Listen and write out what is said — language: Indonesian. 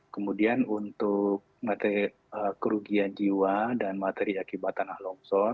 kemudian untuk kerugian jiwa dan materi akibat tanah longsor